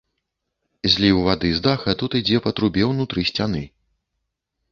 Зліў вады з даха тут ідзе па трубе ўнутры сцяны.